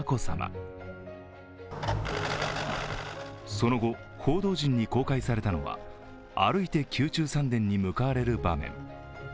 その後、報道陣に公開されたのは歩いて宮中三殿に向かわれる場面。